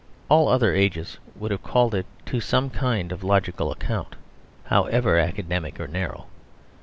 All other ages would have called it to some kind of logical account, however academic or narrow.